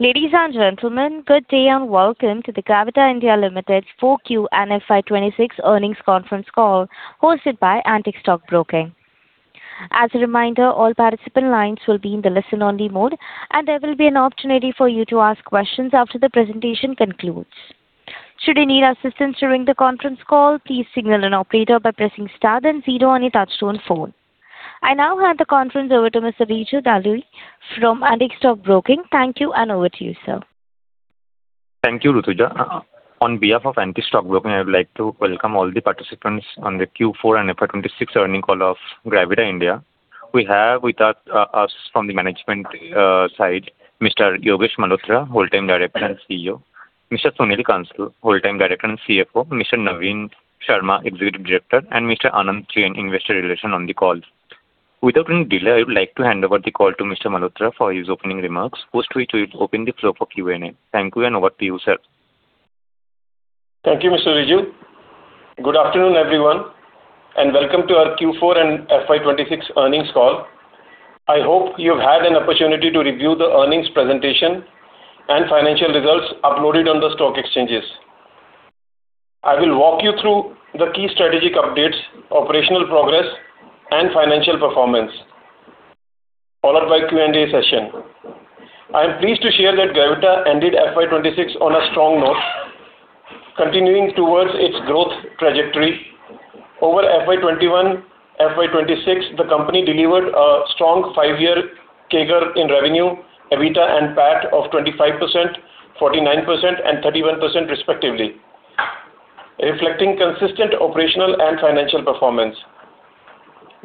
Ladies and gentlemen, good day and welcome to the Gravita India Limited 4Q and FY 2026 earnings conference call hosted by Antique Stock Broking. As a reminder, all participant lines will be in the listen-only mode, and there will be an opportunity for you to ask questions after the presentation concludes. Should you need assistance during the conference call, please signal an operator by pressing star then 0 on your touchtone phone. I now hand the conference over to Mr. Rijul Dalal from Antique Stock Broking. Thank you, and over to you, sir. Thank you, Rutuja. On behalf of Antique Stock Broking, I would like to welcome all the participants on the Q4 and FY 2026 earning call of Gravita India. We have with us from the management side, Mr. Yogesh Malhotra, Full-Time Director and CEO, Mr. Sunil Kansal, Full-Time Director and CFO, Mr. Naveen Sharma, Executive Director, and Mr. Anant Jain, Investor Relations, on the call. Without any delay, I would like to hand over the call to Mr. Malhotra for his opening remarks, post which we'll open the floor for Q&A. Thank you, and over to you, sir. Thank you, Mr. Rijul. Good afternoon, everyone, welcome to our Q4 and FY 2026 earnings call. I hope you've had an opportunity to review the earnings presentation and financial results uploaded on the stock exchanges. I will walk you through the key strategic updates, operational progress, and financial performance, followed by Q&A session. I am pleased to share that Gravita ended FY 2026 on a strong note, continuing towards its growth trajectory. Over FY 2021-FY 2026, the company delivered a strong five-year CAGR in revenue, EBITDA and PAT of 25%, 49%, and 31% respectively, reflecting consistent operational and financial performance.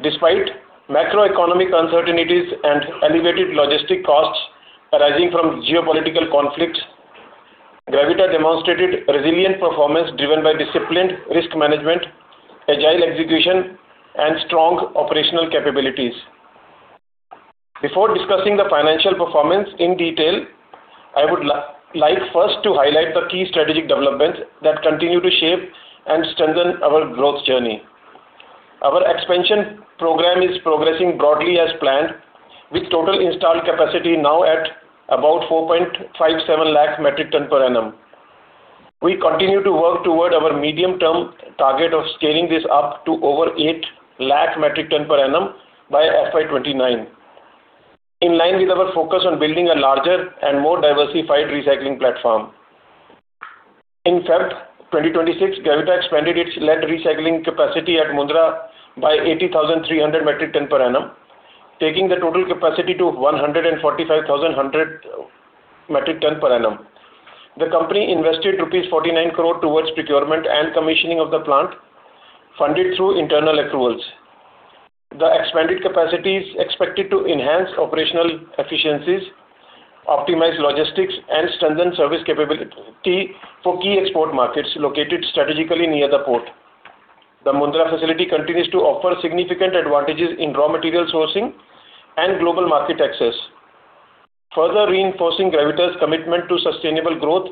Despite macroeconomic uncertainties and elevated logistic costs arising from geopolitical conflicts, Gravita demonstrated resilient performance driven by disciplined risk management, agile execution, and strong operational capabilities. Before discussing the financial performance in detail, I would like first to highlight the key strategic developments that continue to shape and strengthen our growth journey. Our expansion program is progressing broadly as planned, with total installed capacity now at about 4.57 lakh metric ton per annum. We continue to work toward our medium-term target of scaling this up to over 8 lakh metric ton per annum by FY 2029, in line with our focus on building a larger and more diversified recycling platform. In Feb 2026, Gravita expanded its lead recycling capacity at Mundra by 80,300 metric ton per annum, taking the total capacity to 145,100 metric ton per annum. The company invested rupees 49 crore towards procurement and commissioning of the plant funded through internal accruals. The expanded capacity is expected to enhance operational efficiencies, optimize logistics, and strengthen service capability for key export markets located strategically near the port. The Mundra facility continues to offer significant advantages in raw material sourcing and global market access, further reinforcing Gravita's commitment to sustainable growth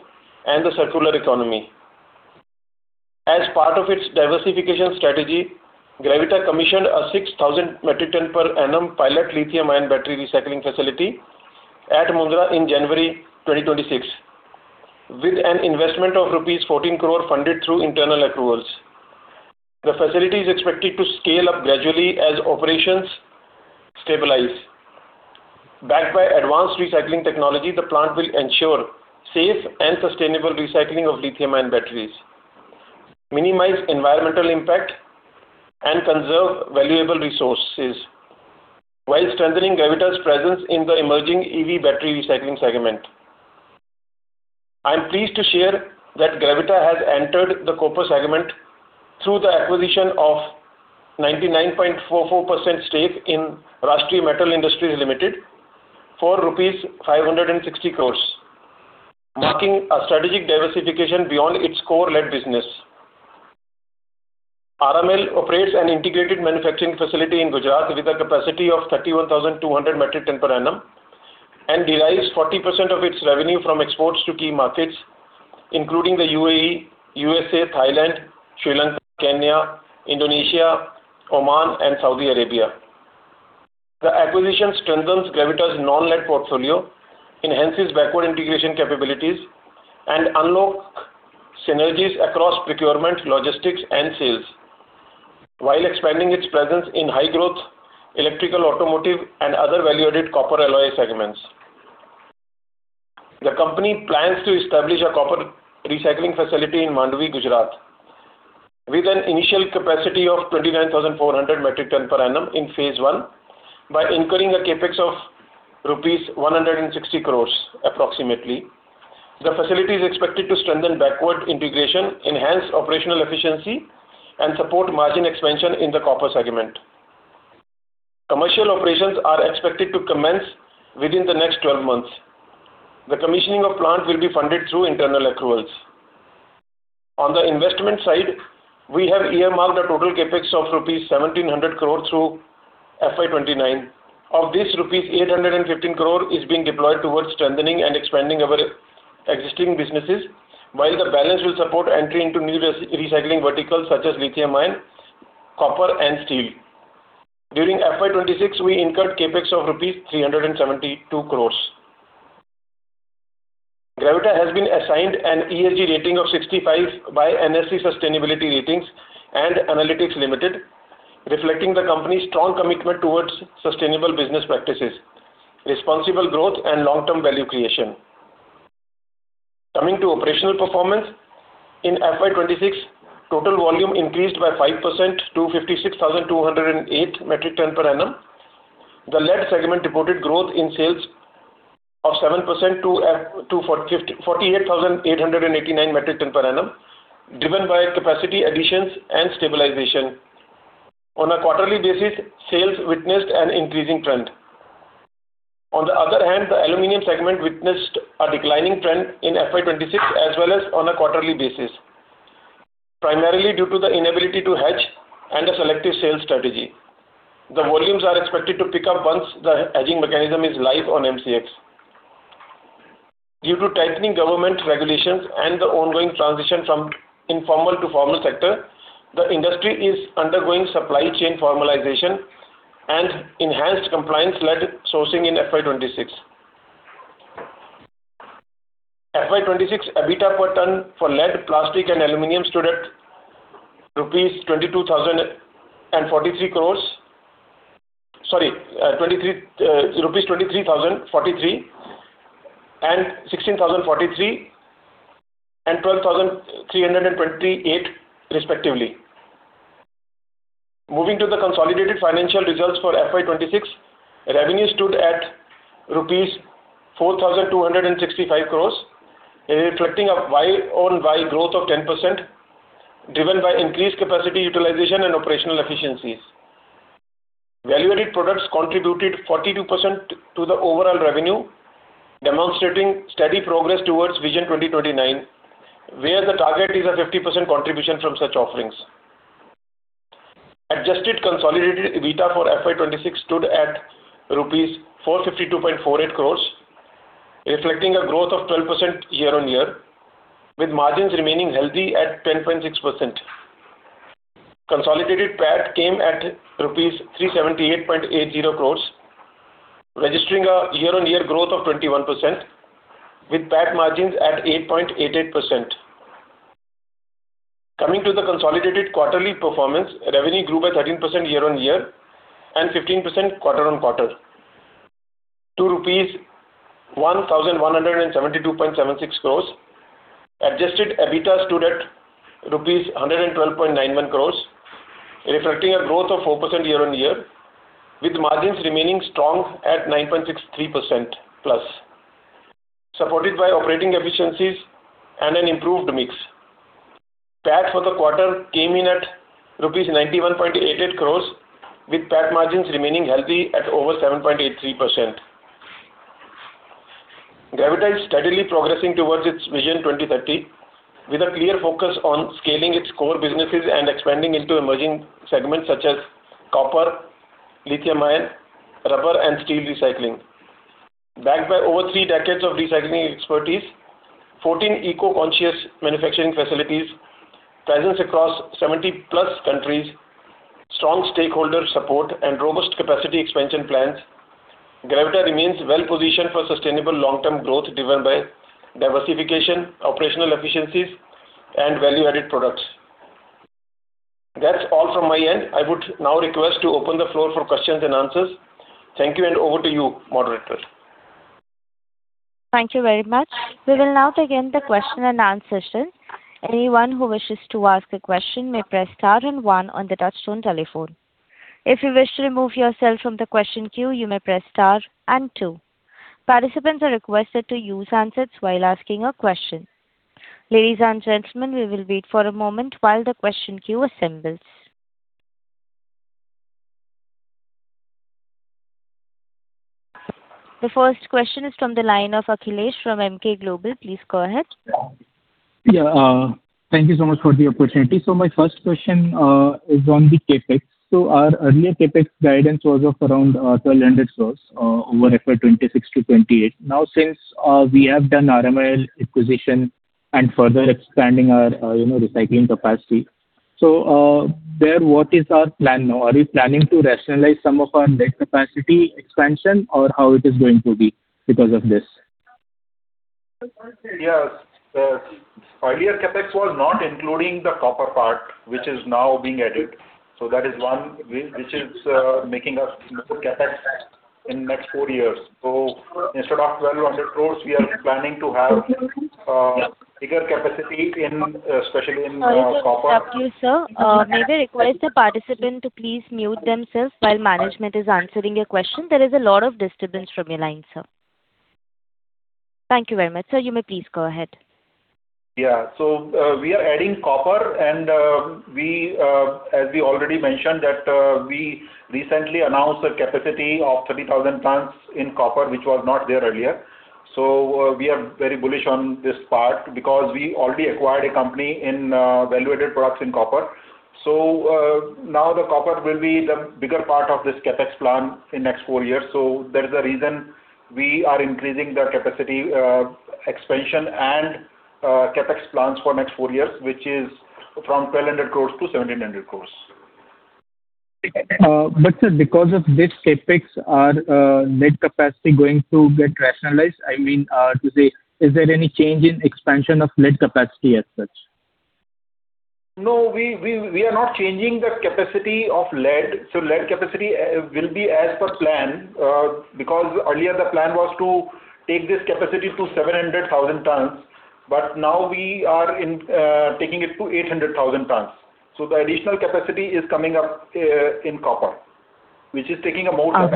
and the circular economy. As part of its diversification strategy, Gravita commissioned a 6,000 metric ton per annum pilot lithium-ion battery recycling facility at Mundra in January 2026, with an investment of rupees 14 crore funded through internal accruals. The facility is expected to scale up gradually as operations stabilize. Backed by advanced recycling technology, the plant will ensure safe and sustainable recycling of lithium-ion batteries, minimize environmental impact, and conserve valuable resources while strengthening Gravita's presence in the emerging EV battery recycling segment. I am pleased to share that Gravita has entered the copper segment through the acquisition of 99.44% stake in Rashtriya Metal Industries Limited for rupees 560 crore, marking a strategic diversification beyond its core lead business. RML operates an integrated manufacturing facility in Gujarat with a capacity of 31,200 metric ton per annum and derives 40% of its revenue from exports to key markets, including the UAE, U.S.A., Thailand, Sri Lanka, Kenya, Indonesia, Oman, and Saudi Arabia. The acquisition strengthens Gravita's non-lead portfolio, enhances backward integration capabilities, and unlock synergies across procurement, logistics, and sales, while expanding its presence in high-growth electrical, automotive, and other value-added copper alloy segments. The company plans to establish a copper recycling facility in Mandvi, Gujarat, with an initial capacity of 29,400 metric tons per annum in Phase I by incurring a CapEx of rupees 160 crore approximately. The facility is expected to strengthen backward integration, enhance operational efficiency, and support margin expansion in the copper segment. Commercial operations are expected to commence within the next 12 months. The commissioning of plant will be funded through internal accruals. On the investment side, we have earmarked a total CapEx of rupees 1,700 crore through FY 2029. Of this, rupees 815 crore is being deployed towards strengthening and expanding our existing businesses, while the balance will support entry into new recycling verticals such as lithium-ion, copper, and steel. During FY 2026, we incurred CapEx of rupees 372 crore. Gravita has been assigned an ESG rating of 65 by NSE Sustainability Ratings and Analytics Limited, reflecting the company's strong commitment towards sustainable business practices, responsible growth and long-term value creation. Coming to operational performance. In FY 2026, total volume increased by 5% to 56,208 metric ton per annum. The lead segment reported growth in sales of 7% to 48,889 metric ton per annum, driven by capacity additions and stabilization. On a quarterly basis, sales witnessed an increasing trend. On the other hand, the aluminum segment witnessed a declining trend in FY 2026 as well as on a quarterly basis, primarily due to the inability to hedge and a selective sales strategy. The volumes are expected to pick up once the hedging mechanism is live on MCX. Due to tightening government regulations and the ongoing transition from informal to formal sector, the industry is undergoing supply chain formalization and enhanced compliance lead sourcing in FY 2026. FY 2026, EBITDA per ton for lead, plastic and aluminum stood at rupees 22,043 crores. Sorry, 23,043 rupees and 16,043 and 12,328 respectively. Moving to the consolidated financial results for FY 2026, revenue stood at rupees 4,265 crores, reflecting a YoY growth of 10%, driven by increased capacity utilization and operational efficiencies. Value-added products contributed 42% to the overall revenue, demonstrating steady progress towards Vision 2029, where the target is a 50% contribution from such offerings. Adjusted consolidated EBITDA for FY 2026 stood at rupees 452.48 crores, reflecting a growth of 12% year-on-year, with margins remaining healthy at 10.6%. Consolidated PAT came at rupees 378.80 crores, registering a year-on-year growth of 21% with PAT margins at 8.88%. Coming to the consolidated quarterly performance, revenue grew by 13% year-on-year and 15% quarter-on-quarter to INR 1,172.76 crores. Adjusted EBITDA stood at 112.91 crores, reflecting a growth of 4% year-on-year, with margins remaining strong at 9.63% plus, supported by operating efficiencies and an improved mix. PAT for the quarter came in at rupees 91.88 crores, with PAT margins remaining healthy at over 7.83%. Gravita is steadily progressing towards its Vision 2030 with a clear focus on scaling its core businesses and expanding into emerging segments such as copper, lithium-ion, rubber and steel recycling. Backed by over three decades of recycling expertise, 14 eco-conscious manufacturing facilities, presence across 70+ countries, strong stakeholder support and robust capacity expansion plans, Gravita remains well-positioned for sustainable long-term growth driven by diversification, operational efficiencies and value-added products. That's all from my end. I would now request to open the floor for questions and answers. Thank you and over to you, moderator. Thank you very much. We will now begin the question and answer session. Anyone who wishes to ask a question may press star and one on the touchtone telephone. If you wish to remove yourself from the question queue, you may press star and two. Participants are requested to use handsets while asking a question. Ladies and gentlemen, we will wait for a moment while the question queue assembles. The first question is from the line of Akhilesh from Emkay Global. Please go ahead. Thank you so much for the opportunity. My first question is on the CapEx. Our earlier CapEx guidance was of around 1,200 crore over FY 2026-2028. Now, since we have done RMIL acquisition and further expanding our, you know, recycling capacity. There what is our plan now? Are we planning to rationalize some of our lead capacity expansion or how it is going to be because of this? Yes. The earlier CapEx was not including the copper part, which is now being added. That is one which is making us look at CapEx in next four years. Instead of 1,200 crores, we are planning to have bigger capacity in, especially in, copper- Sorry to interrupt you, sir. May I request the participant to please mute themselves while management is answering a question. There is a lot of disturbance from your line, sir. Thank you very much. Sir, you may please go ahead. Yeah. We are adding copper and we as we already mentioned that we recently announced a capacity of 30,000 tons in copper, which was not there earlier. We are very bullish on this part because we already acquired a company in value-added products in copper. Now the copper will be the bigger part of this CapEx plan in next four years. There is a reason, we are increasing the capacity expansion and CapEx plans for next four years, which is from 1,200 crores to 1,700 crores. Sir, because of this CapEx, are lead capacity going to get rationalized? I mean, to say, is there any change in expansion of lead capacity as such? No, we are not changing the capacity of lead. Lead capacity will be as per plan. Because earlier the plan was to take this capacity to 700,000 tons, now we are in taking it to 800,000 tons. The additional capacity is coming up in copper, which is taking about- Can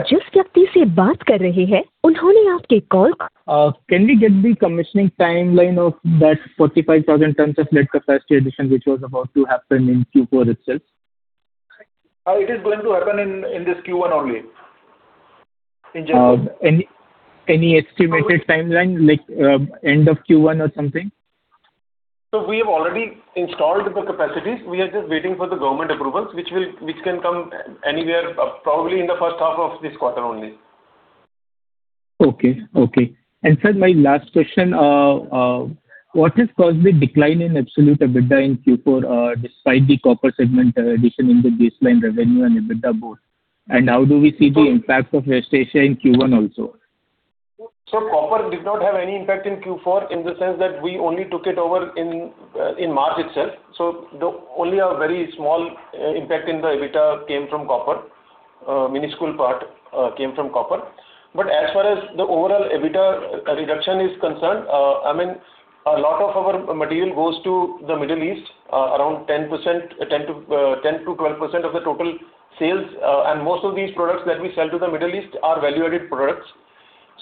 we get the commissioning timeline of that 45,000 tons of lead capacity addition which was about to happen in Q4 itself? It is going to happen in this Q1 only. In general. Any estimated timeline, like, end of Q1 or something? We have already installed the capacities. We are just waiting for the government approvals, which can come anywhere, probably in the first half of this quarter only. Okay. Okay. Sir, my last question. What has caused the decline in absolute EBITDA in Q4, despite the copper segment addition in the baseline revenue and EBITDA both? How do we see the impact of Russia in Q1 also? Copper did not have any impact in Q4 in the sense that we only took it over in March itself. The only a very small impact in the EBITDA came from copper. Miniscule part came from copper. As far as the overall EBITDA reduction is concerned, I mean, a lot of our material goes to the Middle East, around 10%, 10%-12% of the total sales. And most of these products that we sell to the Middle East are value-added products.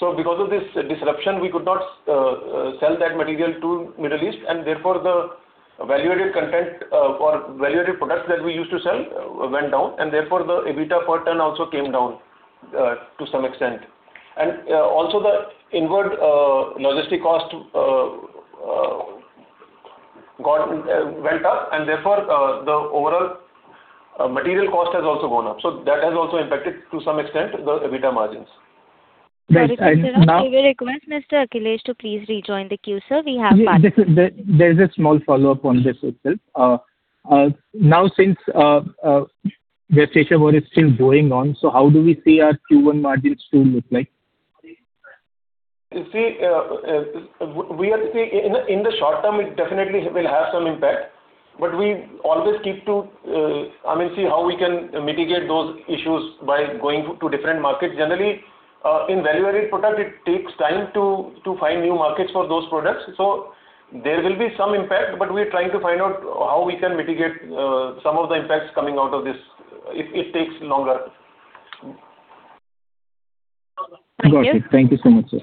Because of this disruption, we could not sell that material to Middle East, and therefore the value-added content or value-added products that we used to sell went down, and therefore the EBITDA per ton also came down to some extent. Also the inward logistic cost went up. Therefore, the overall material cost has also gone up. That has also impacted, to some extent, the EBITDA margins. Right. Sorry to interrupt. I will request Mr. Akhilesh to please rejoin the queue, sir. We have time- There's a small follow-up on this itself. Now since Russia war is still going on, how do we see our Q1 margins to look like? You see, we are seeing In the short term, it definitely will have some impact, we always keep to, I mean, see how we can mitigate those issues by going to different markets. Generally, in value-added product, it takes time to find new markets for those products. There will be some impact, we are trying to find out how we can mitigate some of the impacts coming out of this if takes longer. Got it. Thank you so much, sir.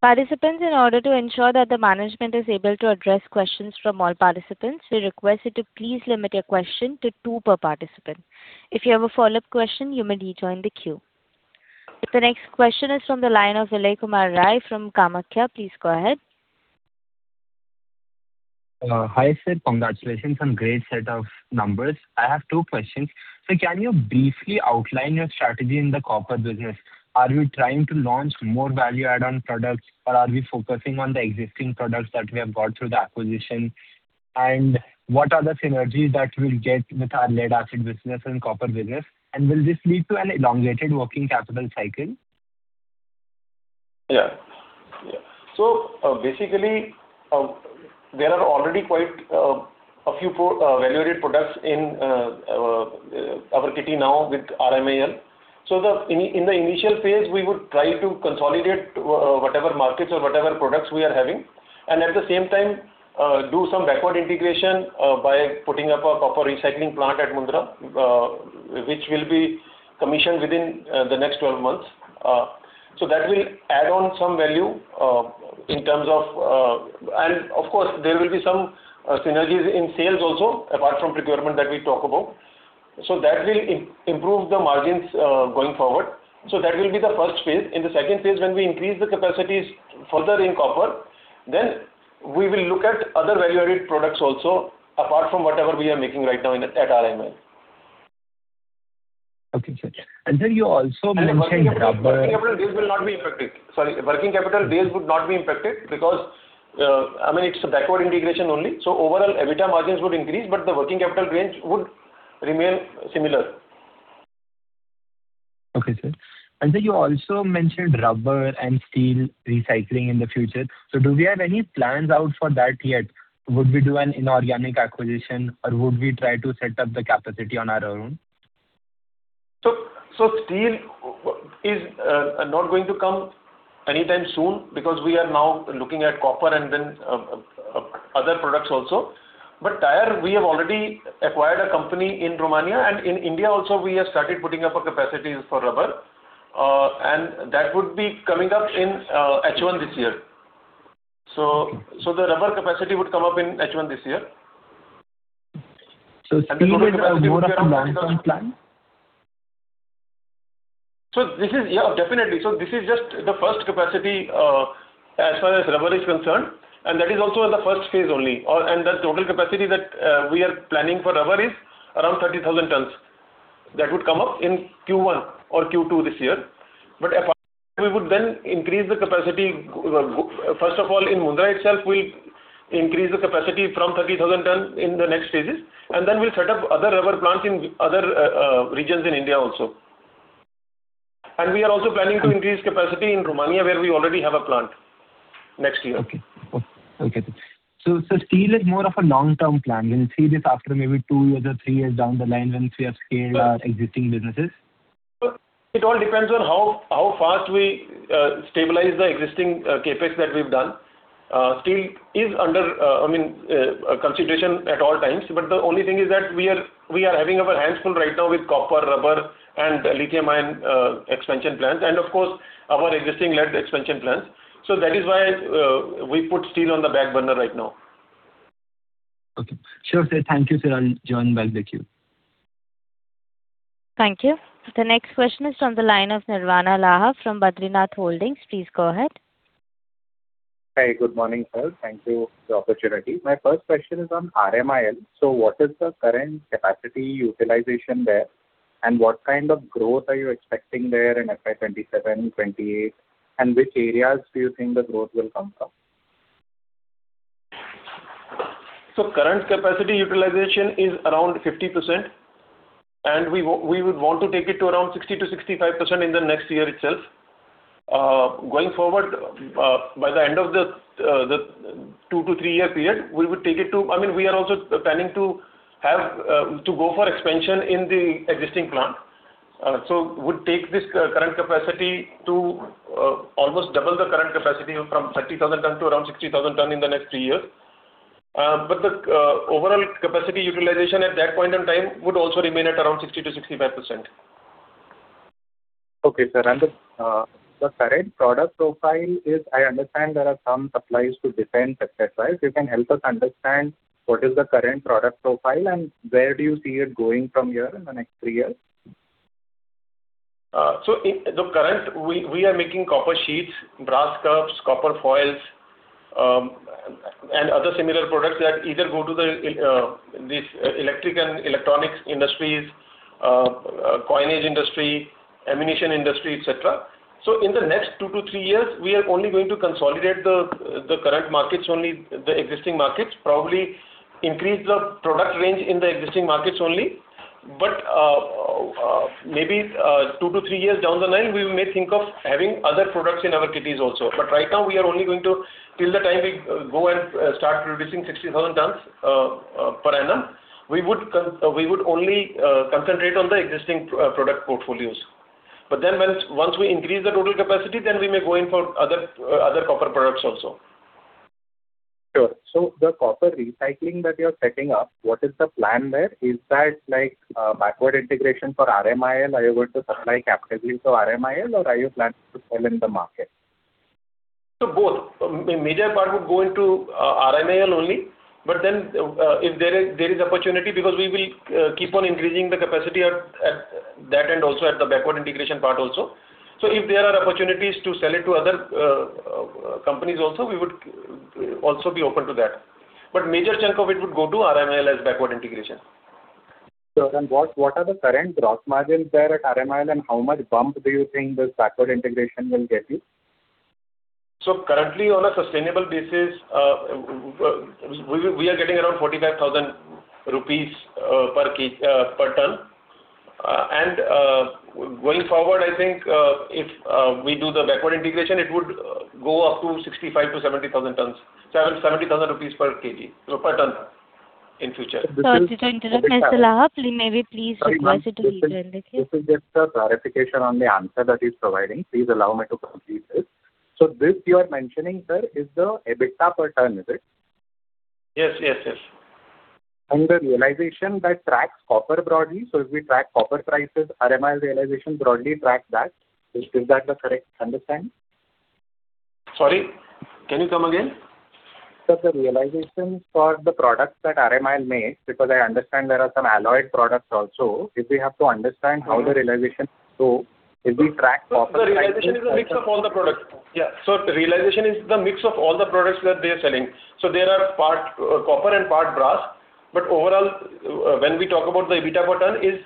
Participants, in order to ensure that the management is able to address questions from all participants, we request you to please limit your question to two per participant. If you have a follow-up question, you may rejoin the queue. The next question is from the line of Vijay Kumar Rai from Kamakhya. Please go ahead. Hi, sir. Congratulations on great set of numbers. I have two questions. Can you briefly outline your strategy in the copper business? Are you trying to launch more value add-on products, or are we focusing on the existing products that we have got through the acquisition? What are the synergies that we'll get with our lead acid business and copper business? Will this lead to an elongated working capital cycle? Yeah. Yeah. Basically, there are already quite a few value-added products in our kitty now with RMIL. In the initial phase, we would try to consolidate whatever markets or whatever products we are having, and at the same time, do some backward integration by putting up a copper recycling plant at Mundra, which will be commissioned within the next 12 months. That will add on some value in terms of. Of course, there will be some synergies in sales also, apart from procurement that we talk about. That will improve the margins going forward. That will be the first phase. In the second phase, when we increase the capacities further in copper, then we will look at other value-added products also, apart from whatever we are making right now at RMIL. Okay, sir. Sir, you also mentioned rubber- Working capital, working capital days will not be impacted. Sorry, working capital days would not be impacted because, I mean, it's a backward integration only. Overall EBITDA margins would increase, but the working capital range would remain similar. Okay, sir. Sir, you also mentioned rubber and steel recycling in the future. Do we have any plans out for that yet? Would we do an inorganic acquisition or would we try to set up the capacity on our own? Steel is not going to come anytime soon because we are now looking at copper and then other products also. Tire, we have already acquired a company in Romania and in India also we have started putting up a capacities for rubber. That would be coming up in H1 this year. The rubber capacity would come up in H1 this year. Steel is more of a long-term plan. Yeah, definitely. This is just the first capacity, as far as rubber is concerned, and that is also in the first phase only. The total capacity that we are planning for rubber is around 30,000 tons. That would come up in Q1 or Q2 this year. We would then increase the capacity. First of all, in Mundra itself, we'll increase the capacity from 30,000 ton in the next phases, and then we'll set up other rubber plants in other regions in India also. We are also planning to increase capacity in Romania, where we already have a plant next year. Okay. Steel is more of a long-term plan. We will see this after maybe two years or three years down the line once we have scaled our existing businesses. It all depends on how fast we stabilize the existing CapEx that we've done. Steel is under, I mean, consideration at all times. The only thing is that we are having our hands full right now with copper, rubber and lithium-ion expansion plans, and of course, our existing lead expansion plans. That is why we put steel on the back burner right now. Okay. Sure, sir. Thank you, sir. I'll join back with you. Thank you. The next question is on the line of Nirvana Laha from Badrinath Holdings. Please go ahead. Hi. Good morning, sir. Thank you for the opportunity. My first question is on RMIL. What is the current capacity utilization there, and what kind of growth are you expecting there in FY 2027, 2028, and which areas do you think the growth will come from? Current capacity utilization is around 50%, and we would want to take it to around 60%-65% in the next year itself. Going forward, by the end of the two to three-year period, we would take it to I mean, we are also planning to have to go for expansion in the existing plant. Would take this current capacity to almost double the current capacity from 30,000 tons to around 60,000 tons in the next three years. The overall capacity utilization at that point in time would also remain at around 60%-65%. Okay, sir. The current product profile is, I understand there are some supplies to defense sector, right? If you can help us understand what is the current product profile and where do you see it going from here in the next three years. The current, we are making copper sheets, brass curbs, copper foils, and other similar products that either go to the this electric and electronics industries, coinage industry, ammunition industry, et cetera. In the next two to three years, we are only going to consolidate the current markets only, the existing markets, probably increase the product range in the existing markets only. Maybe two to three years down the line, we may think of having other products in our kitties also. Right now we are only going to, till the time we go and start producing 60,000 tons per annum, we would only concentrate on the existing product portfolios. Once we increase the total capacity, then we may go in for other copper products also. Sure. The copper recycling that you're setting up, what is the plan there? Is that like a backward integration for RMIL? Are you going to supply capabilities of RMIL or are you planning to sell in the market? Both. Major part would go into RMIL only, but then if there is opportunity because we will keep on increasing the capacity at that end also at the backward integration part also. If there are opportunities to sell it to other companies also, we would also be open to that. Major chunk of it would go to RMIL as backward integration. Sure. What are the current gross margins there at RMIL, and how much bump do you think this backward integration will get you? Currently on a sustainable basis, we are getting around 45,000 rupees per kg, per ton. Going forward, I think if we do the backward integration, it would go up to 65,000-70,000 per kg, per ton in future. Sorry to interrupt, Mr. Laha. Please, maybe please request it to rejoin the queue. This is just a clarification on the answer that he's providing. Please allow me to complete this. This you are mentioning, sir, is the EBITDA per ton, is it? Yes. Yes. Yes. The realization that tracks copper broadly. If we track copper prices, RMIL realization broadly tracks that. Is that the correct understanding? Sorry. Can you come again? Sir, the realization for the products that RMIL makes, because I understand there are some alloyed products also, if we have to understand how the realization go, if we track copper prices. The realization is a mix of all the products. Yeah. Realization is the mix of all the products that they are selling. There are part copper and part brass. Overall, when we talk about the EBITDA per ton is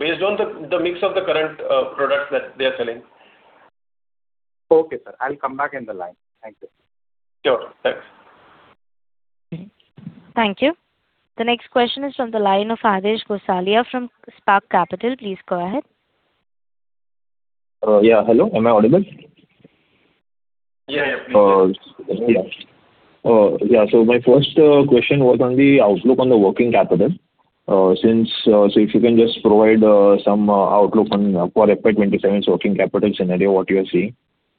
based on the mix of the current products that they are selling. Okay, sir. I'll come back in the line. Thank you. Sure. Thanks. Thank you. The next question is on the line of Aadesh Gosalia from Spark Capital. Please go ahead. Yeah, hello, am I audible? Yeah, yeah. Please go ahead. Yeah. Yeah. My first question was on the outlook on the working capital. Since so if you can just provide some outlook on for FY 2027's working capital scenario, what you are seeing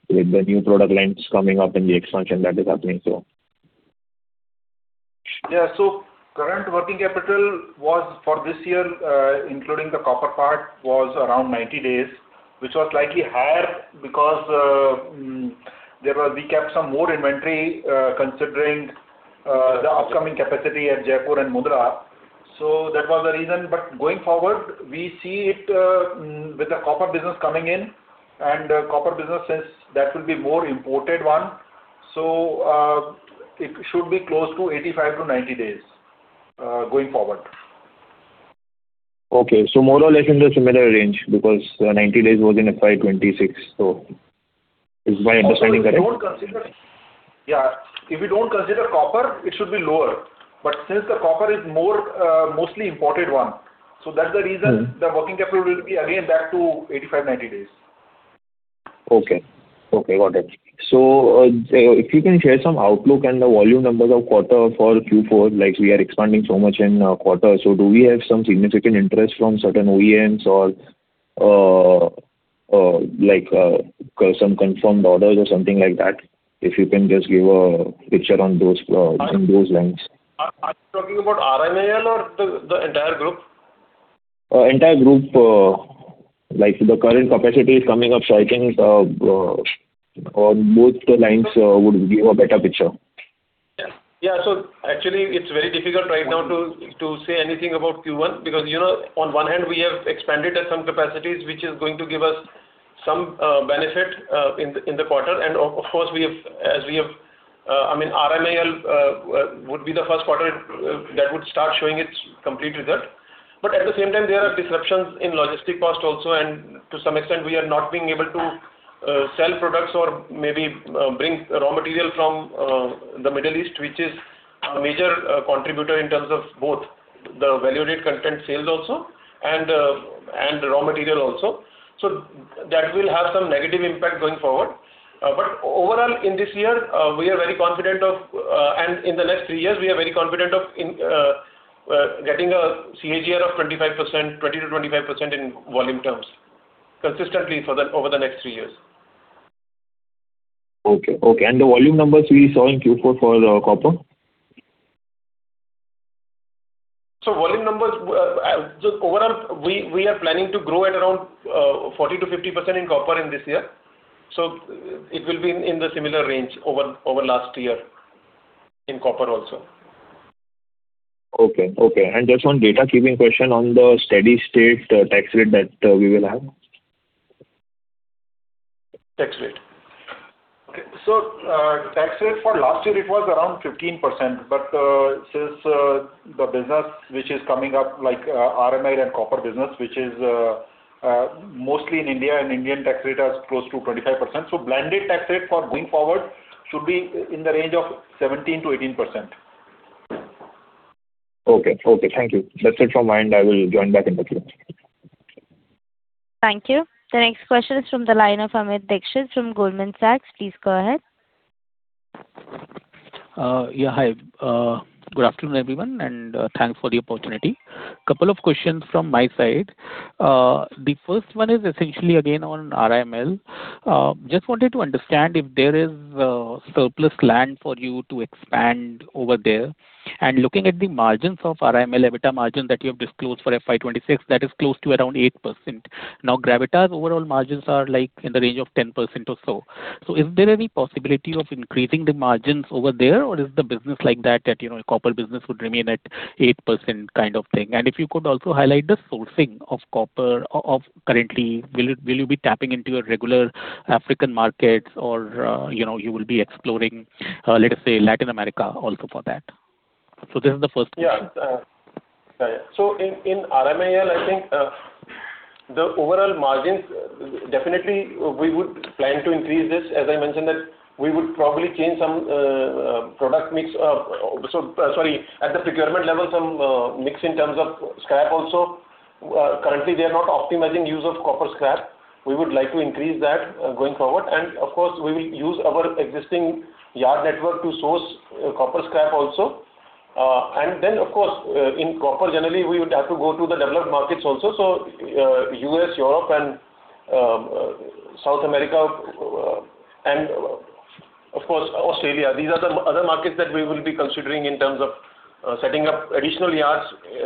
with the new product lines coming up and the expansion that is happening? Current working capital was for this year, including the copper part, was around 90 days, which was slightly higher because we kept some more inventory, considering the upcoming capacity at Jaipur and Mundra. That was the reason. Going forward, we see it with the copper business coming in, and copper business will be more imported one. It should be close to 85-90 days going forward. Okay. More or less in the similar range because 90 days was in FY 2026, so is my understanding correct? Yeah, if you don't consider copper, it should be lower. Since the copper is more mostly imported one. The working capital will be again back to 85, 90 days. Okay. Okay, got it. If you can share some outlook and the volume numbers of quarter for Q4, like we are expanding so much in quarter, do we have some significant interest from certain OEMs or, like, some confirmed orders or something like that? If you can just give a picture on those, along those lines. Are you talking about RMIL or the entire group? Entire group, like the current capacity is coming up, I think, on both the lines, would give a better picture. Yeah. Yeah. Actually it's very difficult right now to say anything about Q1 because, you know, on one hand we have expanded at some capacities, which is going to give us some benefit in the quarter. Of course, as we have, I mean, RMIL would be the first quarter that would start showing its complete result. At the same time, there are disruptions in logistic cost also, and to some extent we are not being able to sell products or maybe bring raw material from the Middle East, which is a major contributor in terms of both the value-added content sales also and raw material also. That will have some negative impact going forward. Overall in this year, we are very confident of, and in the next three years, we are very confident of in, getting a CAGR of 25%, 20%-25% in volume terms consistently over the next three years. Okay. Okay. The volume numbers we saw in Q4 for the copper? Volume numbers, just overall, we are planning to grow at around 40%-50% in copper in this year. It will be in the similar range over last year in copper also. Okay. Okay. Just one data keeping question on the steady state, tax rate that we will have. Tax rate. Okay. Tax rate for last year it was around 15%. Since the business which is coming up like RMIL and copper business, which is mostly in India and Indian tax rate are close to 25%. Blended tax rate for going forward should be in the range of 17%-18%. Okay. Okay. Thank you. That's it from my end. I will join back in the queue. Thank you. The next question is from the line of Amit Dixit from Goldman Sachs. Please go ahead. Yeah, hi. Good afternoon, everyone, and thanks for the opportunity. Couple of questions from my side. The first one is essentially again on RMIL. Just wanted to understand if there is surplus land for you to expand over there. Looking at the margins of RMIL, EBITDA margin that you have disclosed for FY 2026, that is close to around 8%. Gravita's overall margins are like in the range of 10% or so. Is there any possibility of increasing the margins over there or is the business like that, you know, copper business would remain at 8% kind of thing? If you could also highlight the sourcing of copper currently, will you be tapping into your regular African markets or, you know, you will be exploring, let us say Latin America also for that? This is the first question. In RMIL, I think, the overall margins definitely we would plan to increase this. As I mentioned that we would probably change some product mix. Sorry, at the procurement level, some mix in terms of scrap also. Currently they are not optimizing use of copper scrap. We would like to increase that going forward. Of course we will use our existing yard network to source copper scrap also. Then of course, in copper generally we would have to go to the developed markets also. U.S., Europe and South America, and of course Australia. These are the other markets that we will be considering in terms of setting up additional yards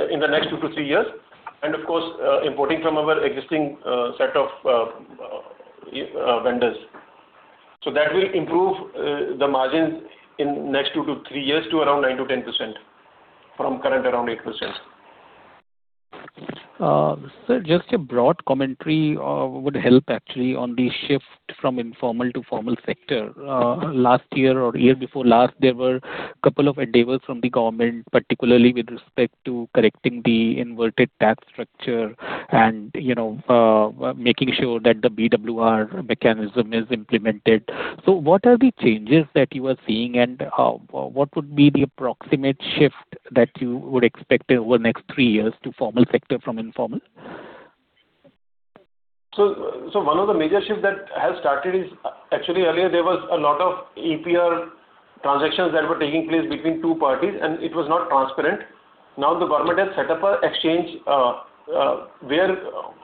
in the next two to three years. Of course, importing from our existing set of vendors. That will improve the margins in next two to three years to around 9%-10% from current around 8%. Sir, just a broad commentary would help actually on the shift from informal to formal sector. Last year or year before last, there were couple of endeavors from the government, particularly with respect to correcting the inverted tax structure and, you know, making sure that the BWMR mechanism is implemented. What are the changes that you are seeing and what would be the approximate shift that you would expect over the next three years to formal sector from informal? One of the major shifts that has started is actually earlier there was a lot of EPR transactions that were taking place between two parties and it was not transparent. Now the government has set up an exchange where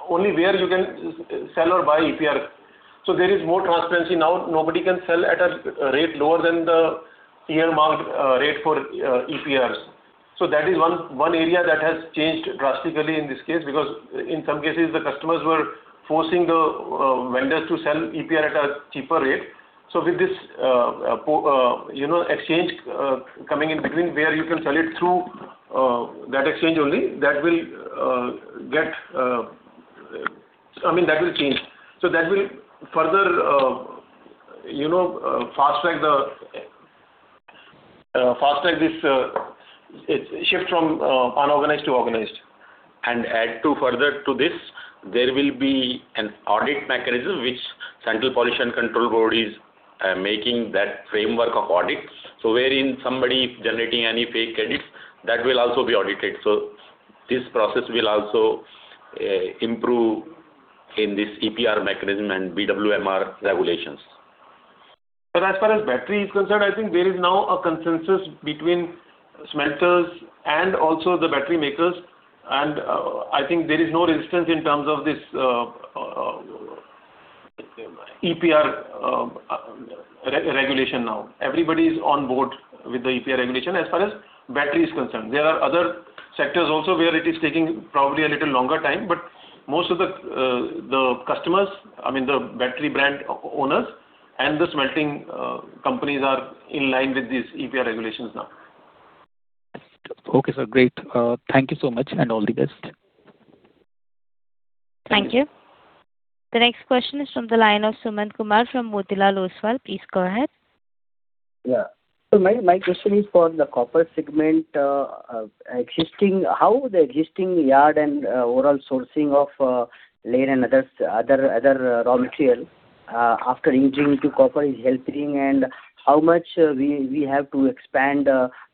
only where you can sell or buy EPR. There is more transparency now. Nobody can sell at a rate lower than the earmarked rate for EPRs. That is one area that has changed drastically in this case because in some cases the customers were forcing the vendors to sell EPR at a cheaper rate. With this, you know, exchange coming in between where you can sell it through that exchange only, that will get I mean, that will change. That will further, you know, fast-track its shift from unorganized to organized. Add to further to this, there will be an audit mechanism which Central Pollution Control Board is making that framework of audit. Wherein somebody is generating any fake credits, that will also be audited. This process will also improve in this EPR mechanism and BWMR regulations. As far as battery is concerned, I think there is now a consensus between smelters and also the battery makers, and I think there is no resistance in terms of this EPR regulation now. Everybody is on board with the EPR regulation as far as battery is concerned. There are other sectors also where it is taking probably a little longer time, but most of the customers, I mean, the battery brand owners and the smelting companies are in line with these EPR regulations now. Okay, sir. Great. Thank you so much, and all the best. Thank you. The next question is from the line of Sumant Kumar from Motilal Oswal. Please go ahead. My question is for the copper segment, how the existing yard and overall sourcing of lead and other raw material after entering into copper is helping, and how much we have to expand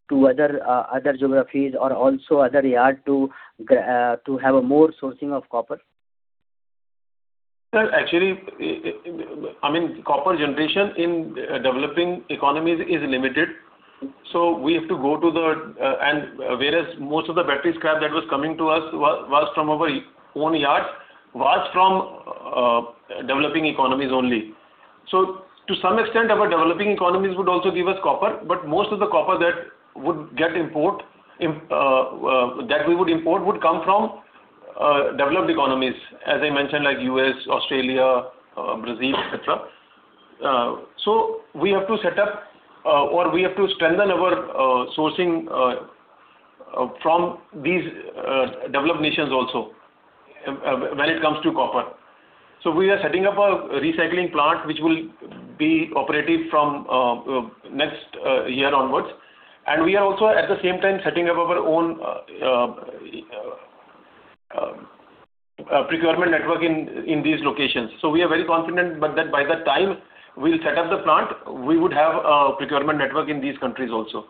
to other geographies or also other yard to have more sourcing of copper? Sir, actually, I mean, copper generation in developing economies is limited, we have to go to the and whereas most of the battery scrap that was coming to us was from our own yards was from developing economies only. To some extent our developing economies would also give us copper, but most of the copper that would get import, that we would import would come from developed economies, as I mentioned, like U.S., Australia, Brazil, et cetera. We have to set up or we have to strengthen our sourcing from these developed nations also when it comes to copper. We are setting up a recycling plant which will be operative from next year onwards, and we are also at the same time setting up our own procurement network in these locations. We are very confident that by the time we'll set up the plant, we would have a procurement network in these countries also.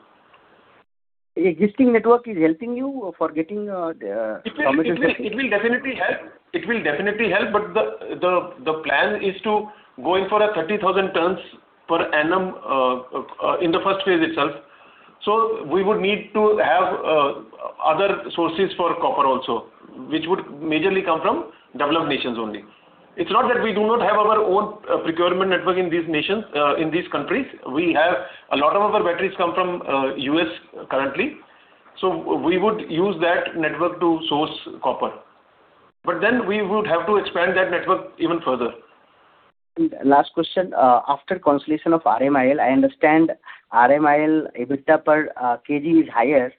Existing network is helping you for getting, the. It will definitely help. The plan is to go in for a 30,000 tons per annum in the first phase itself. We would need to have other sources for copper also, which would majorly come from developed nations only. It's not that we do not have our own procurement network in these nations, in these countries. We have a lot of our batteries come from the U.S. currently, we would use that network to source copper. We would have to expand that network even further. Last question. After consolidation of RMIL, I understand RMIL EBITDA per kg is higher,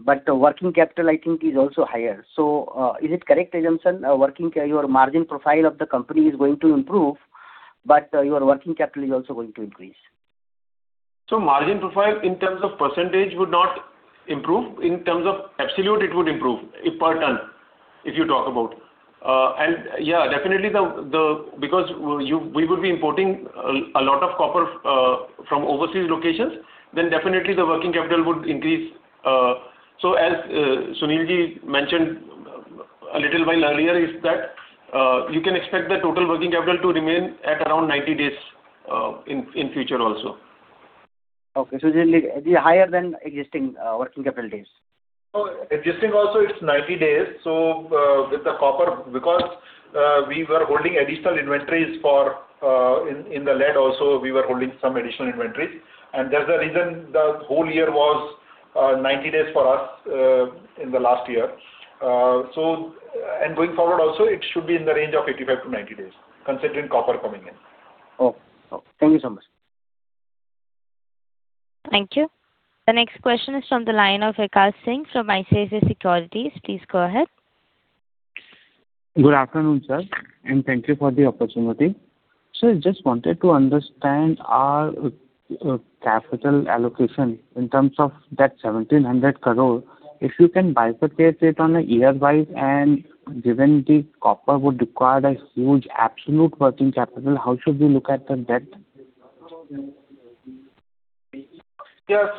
but working capital I think is also higher. Is it correct assumption, your margin profile of the company is going to improve, but your working capital is also going to increase? Margin profile in terms of percentage would not improve. In terms of absolute, it would improve, if per ton, if you talk about. Yeah, definitely the because you, we would be importing a lot of copper from overseas locations, then definitely the working capital would increase. As Sunilji mentioned a little while earlier is that you can expect the total working capital to remain at around 90 days in future also. Okay. It'll be higher than existing working capital days. Existing also it is 90 days. With the copper, because we were holding additional inventories for in the lead also we were holding some additional inventory, and that is the reason the whole year was 90 days for us in the last year. Going forward also, it should be in the range of 85-90 days considering copper coming in. Okay. Thank you so much. Thank you. The next question is from the line of Vikash Singh from ICICI Securities. Please go ahead. Good afternoon, sir, and thank you for the opportunity. Sir, I just wanted to understand our capital allocation in terms of that 1,700 crore. If you can bifurcate it on a year-wise and given the copper would require a huge absolute working capital, how should we look at the debt? Yeah.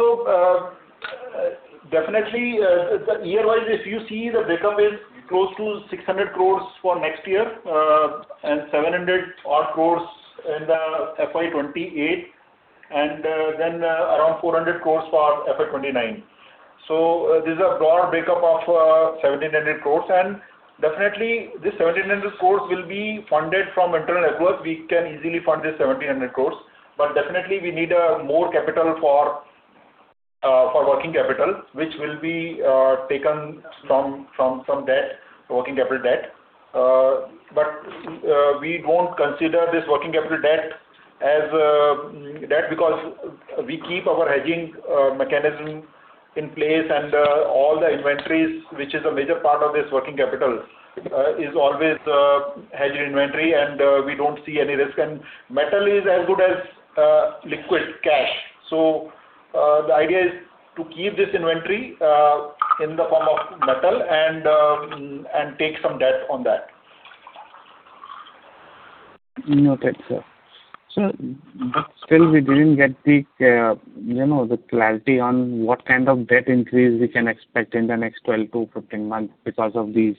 Definitely, the year-wise, if you see the breakup is close to 600 crores for next year, and 700 odd crores in the FY 2028, and then around 400 crores for FY 2029. This is a broad breakup of 1,700 crores, and definitely this 1,700 crores will be funded from internal efforts. We can easily fund this 1,700 crores. Definitely we need more capital for working capital, which will be taken from debt, working capital debt. We won't consider this working capital debt as debt because we keep our hedging mechanism in place and all the inventories, which is a major part of this working capital, is always hedged inventory and we don't see any risk. Metal is as good as liquid cash. The idea is to keep this inventory in the form of metal and take some debt on that. Noted, sir. Still we didn't get the, you know, the clarity on what kind of debt increase we can expect in the next 12-15 months because of these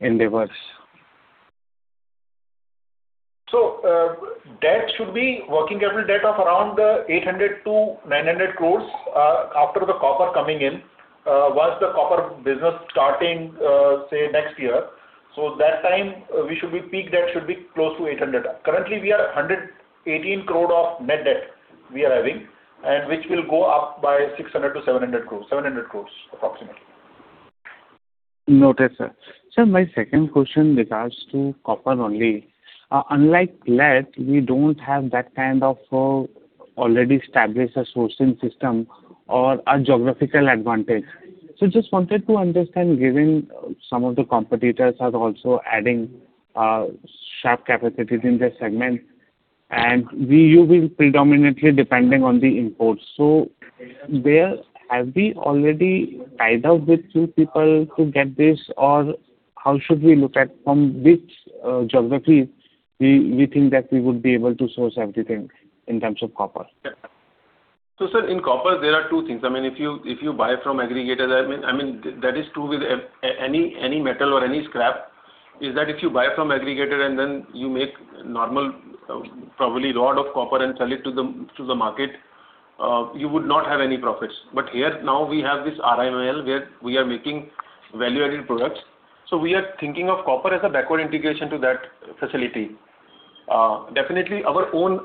endeavors. Debt should be working capital debt of around 800-900 crores after the copper coming in. Once the copper business starting, say, next year. That time we should be peak debt should be close to 800. Currently we are 118 crore of net debt we are having, and which will go up by 600-700 crores approximately. Noted, sir. Sir, my second question regards to copper only. Unlike lead, we don't have that kind of, already established sourcing system or a geographical advantage. Just wanted to understand, given some of the competitors are also adding, shaft capacities in this segment, and you've been predominantly depending on the imports. There, have we already tied up with few people to get this? How should we look at from which, geography we think that we would be able to source everything in terms of copper? Yeah. Sir, in copper there are two things. I mean, if you buy from aggregator, I mean, that is true with any metal or any scrap, is that if you buy from aggregator and then you make normal, probably rod of copper and sell it to the, to the market, you would not have any profits. Here now we have this RMIL where we are making value-added products. We are thinking of copper as a backward integration to that facility. Definitely our own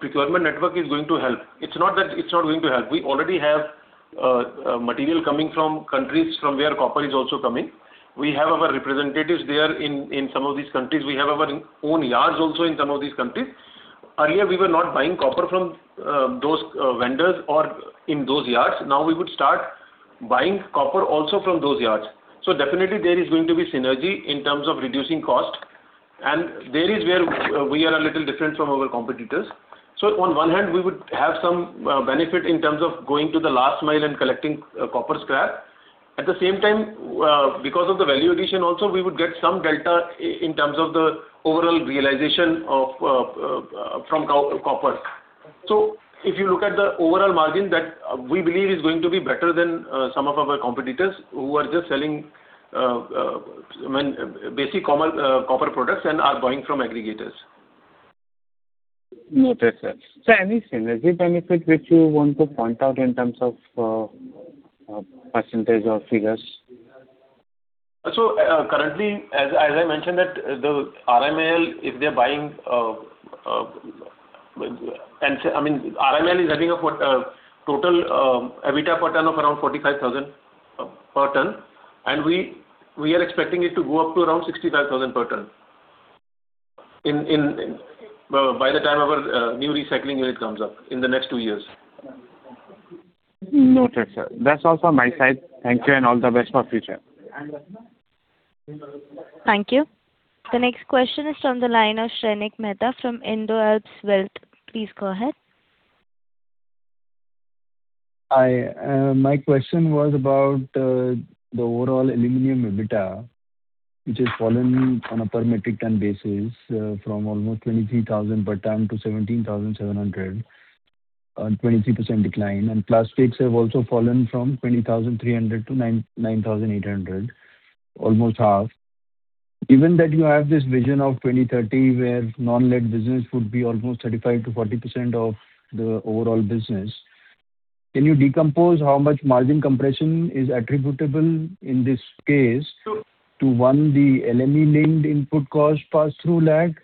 procurement network is going to help. It's not that it's not going to help. We already have material coming from countries from where copper is also coming. We have our representatives there in some of these countries. We have our own yards also in some of these countries. Earlier we were not buying copper from those vendors or in those yards. Now we would start buying copper also from those yards. Definitely there is going to be synergy in terms of reducing cost, and there is where we are a little different from our competitors. On one hand, we would have some benefit in terms of going to the last mile and collecting copper scrap. At the same time, because of the value addition also, we would get some delta in terms of the overall realization of from copper. If you look at the overall margin, that we believe is going to be better than some of our competitors who are just selling, I mean, basic common copper products and are buying from aggregators. Noted, sir. Sir, any synergy benefit which you want to point out in terms of percentage or figures? Currently, as I mentioned that the RMIL, if they're buying, RMIL is running of a total EBITDA per ton of around 45,000 per ton, and we are expecting it to go up to around 65,000 per ton By the time our new recycling unit comes up in the next two years. Noted, sir. That's all from my side. Thank you and all the best for future. Thank you. The next question is from the line of Shrenik Mehta from Indo Alps Wealth. Please go ahead. Hi. My question was about the overall aluminum EBITDA, which has fallen on a per metric ton basis, from almost 23,000 per ton to 17,700, a 23% decline. Plastics have also fallen from 20,300 to 9,800, almost half. Given that you have this Vision 2030, where non-lead business would be almost 35%-40% of the overall business, can you decompose how much margin compression is attributable in this case to, one, the LME linked input cost pass-through lag,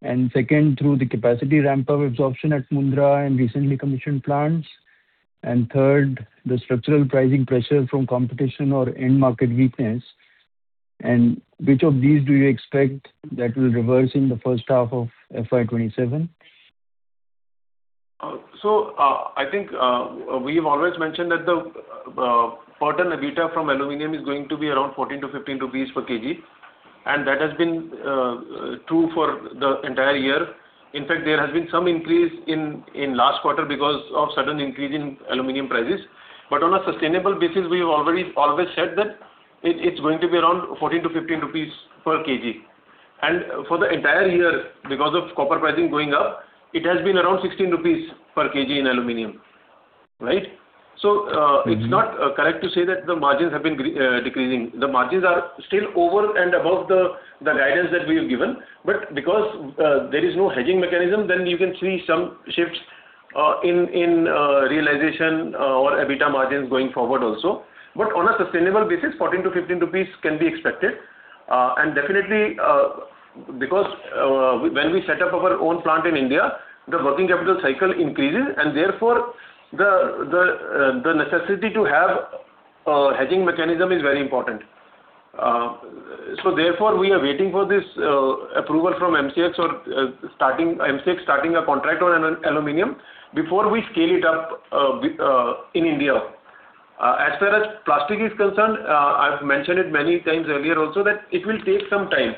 and second, through the capacity ramp-up absorption at Mundra and recently commissioned plants, and third, the structural pricing pressure from competition or end market weakness? Which of these do you expect that will reverse in the first half of FY 2027? I think we've always mentioned that the per ton EBITDA from aluminum is going to be around 14-15 rupees per kg, and that has been true for the entire year. In fact, there has been some increase in last quarter because of sudden increase in aluminum prices. On a sustainable basis, we've always said that it's going to be around 14-15 rupees per kg. For the entire year, because of copper pricing going up, it has been around 16 rupees per kg in aluminum. It's not correct to say that the margins have been decreasing. The margins are still over and above the guidance that we've given. Because there is no hedging mechanism, then you can see some shifts in realization or EBITDA margins going forward also. On a sustainable basis, 14-15 rupees can be expected. Definitely, because when we set up our own plant in India, the working capital cycle increases, and therefore the necessity to have a hedging mechanism is very important. Therefore we are waiting for this approval from MCX or starting a contract on aluminum before we scale it up in India. As far as plastic is concerned, I've mentioned it many times earlier also that it will take some time.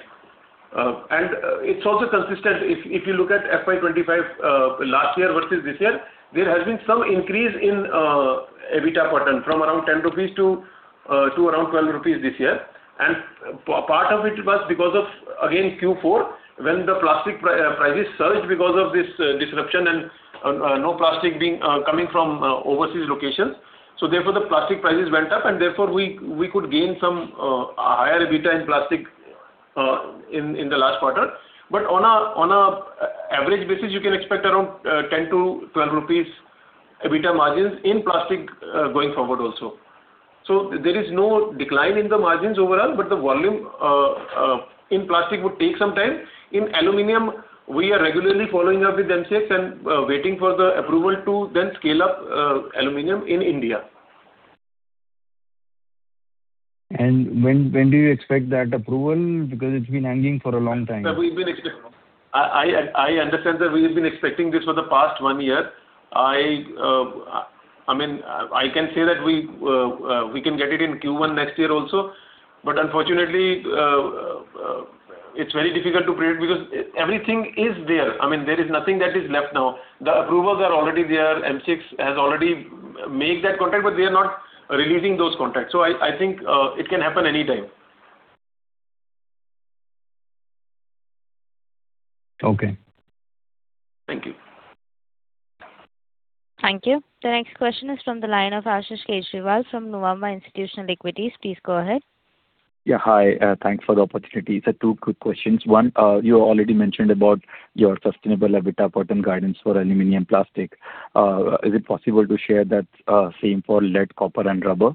It's also consistent if you look at FY 2025, last year versus this year, there has been some increase in EBITDA per ton from around 10 rupees to around 12 rupees this year. Part of it was because of, again, Q4 when the plastic prices surged because of this disruption and no plastic being coming from overseas locations. Therefore, the plastic prices went up and therefore we could gain some higher EBITDA in plastic in the last quarter. On an average basis, you can expect around 10-12 rupees EBITDA margins in plastic going forward also. There is no decline in the margins overall, but the volume in plastic would take some time. In aluminum, we are regularly following up with MCX and waiting for the approval to then scale up aluminum in India. When do you expect that approval? It's been hanging for a long time. I understand that we've been expecting this for the past one year. I mean, I can say that we can get it in Q1 next year also. Unfortunately, it's very difficult to predict because everything is there. I mean, there is nothing that is left now. The approvals are already there. MCX has already made that contract, but they are not releasing those contracts. I think, it can happen anytime. Okay. Thank you. Thank you. The next question is from the line of Ashish Kejriwal from Nuvama Institutional Equities. Please go ahead. Yeah, hi. thanks for the opportunity. Two quick questions. One, you already mentioned about your sustainable EBITDA per ton guidance for aluminum plastic. Is it possible to share that, same for lead, copper and rubber?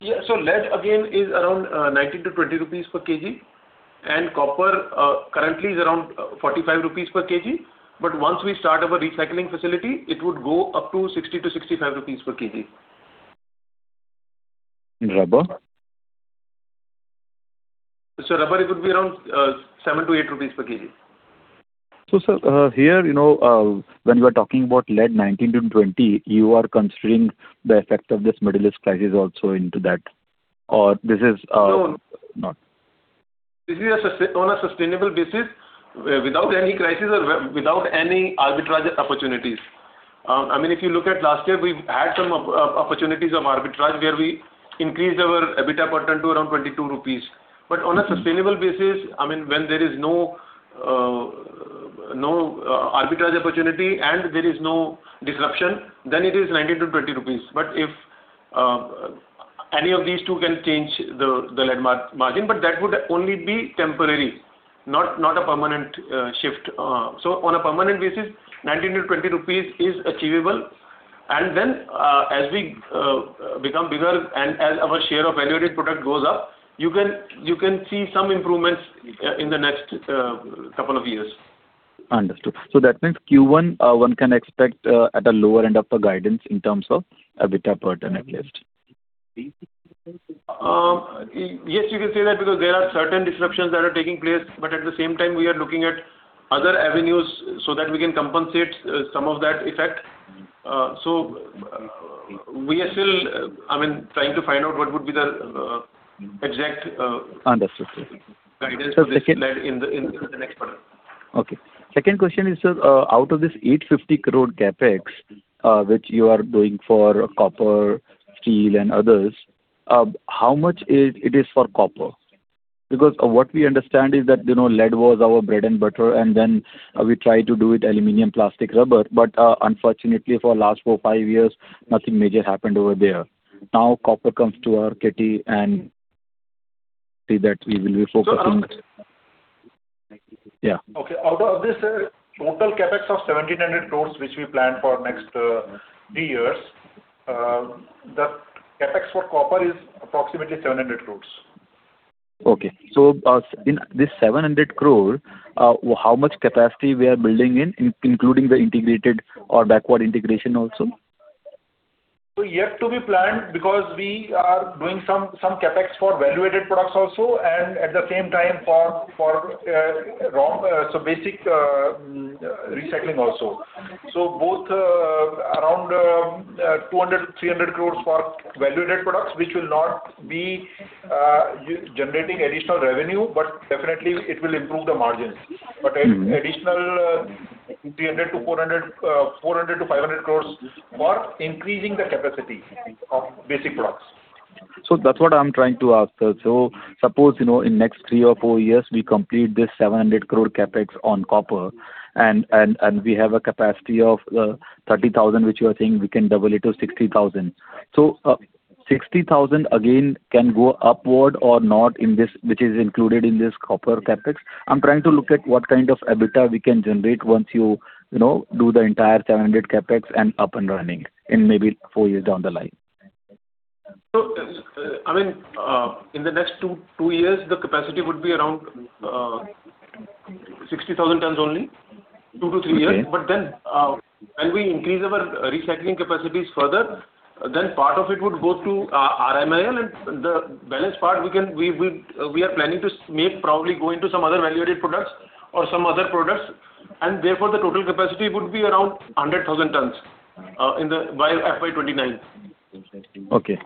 Yeah. lead again is around 19-20 rupees per kg, and copper, currently is around 45 rupees per kg. Once we start our recycling facility, it would go up to 60-65 rupees per kg. Rubber? rubber it would be around, 7-8 rupees per kg. Sir, here, you know, when you are talking about lead 19-20, you are considering the effect of this Middle East crisis also into that? This is. No. Not. This is on a sustainable basis without any crisis or without any arbitrage opportunities. I mean, if you look at last year, we've had some opportunities of arbitrage where we increased our EBITDA per ton to around 22 rupees. On a sustainable basis, I mean, when there is no arbitrage opportunity and there is no disruption, then it is 19-20 rupees. If any of these two can change the lead margin, that would only be temporary, not a permanent shift. On a permanent basis, 19-20 rupees is achievable. As we become bigger and as our share of value-added product goes up, you can see some improvements in the next couple of years. Understood. That means Q1, one can expect at a lower end of the guidance in terms of EBITDA per ton at least. Yes, you can say that because there are certain disruptions that are taking place, at the same time we are looking at other avenues so that we can compensate some of that effect. We are still, I mean, trying to find out what would be the exact. Understood, sir. Guidance for this lead in the next quarter. Okay. Second question is, sir, out of this 850 crore CapEx, which you are doing for copper, steel and others, how much is it is for copper? Because what we understand is that, you know, lead was our bread and butter and then we tried to do it aluminum, plastic, rubber. Unfortunately for last four, five years nothing major happened over there. Now copper comes to our kitty and see that we will be focusing. So out of- Yeah. Okay. Out of this total CapEx of 1,700 crores which we plan for next, three years, the CapEx for copper is approximately 700 crores. Okay. In this 700 crore, how much capacity we are building in, including the integrated or backward integration also? Yet to be planned because we are doing some CapEx for value-added products also and at the same time for basic recycling also. Both, around 200 crore-300 crore for value-added products which will not be generating additional revenue, but definitely it will improve the margins. Additional 400-500 crores for increasing the capacity of basic products. That's what I'm trying to ask, sir. Suppose, you know, in next three or four years we complete this 700 crore CapEx on copper and we have a capacity of 30,000 which you are saying we can double it to 60,000. 60,000 again can go upward or not in this, which is included in this copper CapEx. I'm trying to look at what kind of EBITDA we can generate once you know, do the entire 700 CapEx and up and running in maybe four years down the line. I mean, in the next two years, the capacity would be around 60,000 tons only, two to three years. Okay. When we increase our recycling capacities further, then part of it would go to RMIL, and the balance part we are planning to make probably go into some other value-added products or some other products, and therefore the total capacity would be around 100,000 tonnes by FY 2029. Okay.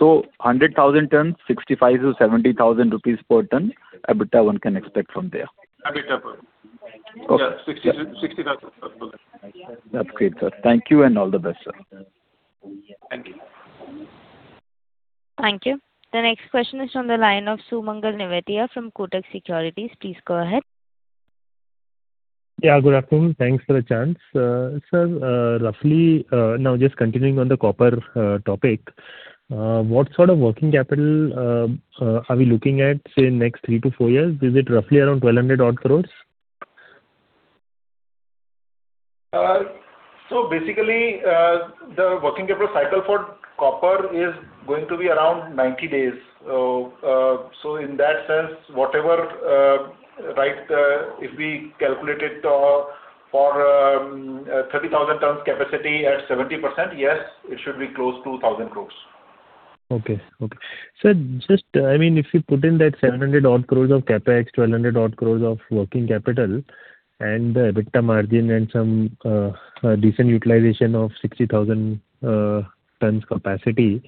100,000 tons, 65,000-70,000 rupees per ton EBITDA one can expect from there. EBITDA, yes. Okay. Yes. 60,000. That's great, sir. Thank you, and all the best, sir. Thank you. Thank you. The next question is on the line of Sumangal Nevatia from Kotak Securities. Please go ahead. Good afternoon. Thanks for the chance. Sir, roughly, now just continuing on the copper topic, what sort of working capital are we looking at, say, in next three to four years? Is it roughly around 1,200 odd crores? Basically, the working capital cycle for copper is going to be around 90 days. In that sense, whatever, if we calculate it for 30,000 tonnes capacity at 70%, yes, it should be close to 1,000 crores. Okay. Okay. Sir, I mean, if you put in that 700 odd crores of CapEx, 1,200 odd crores of working capital and the EBITDA margin and some decent utilization of 60,000 tonnes capacity,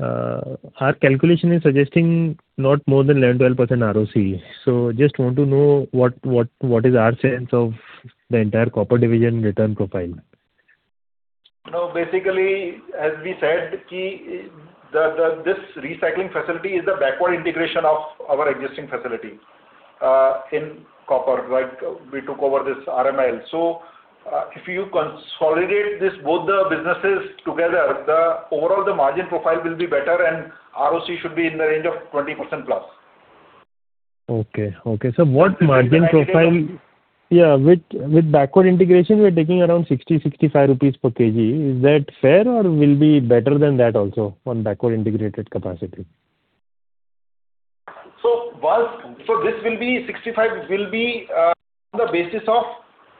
our calculation is suggesting not more than 9%-12% ROC. Just want to know what is our sense of the entire copper division return profile. Basically, as we said, this recycling facility is a backward integration of our existing facility in copper, right? We took over this RMIL. If you consolidate this, both the businesses together, the overall the margin profile will be better, and ROC should be in the range of 20%+. Okay. What margin profile? Yeah. With backward integration, we are taking around 60-65 rupees per kg. Is that fair or will be better than that also on backward integrated capacity? This will be 65 will be on the basis of